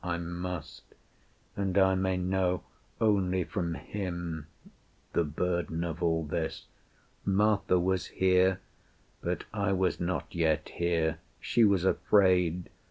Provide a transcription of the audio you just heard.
I must; and I may know only from Him The burden of all this. ... Martha was here But I was not yet here. She was afraid.